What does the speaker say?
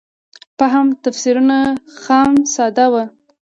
فهم تفسیرونه خام ساده وو.